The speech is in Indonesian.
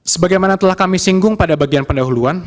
sebagaimana telah kami singgung pada bagian pendahuluan